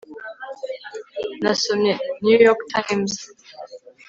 nasomye new york times